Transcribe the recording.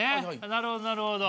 なるほどなるほど。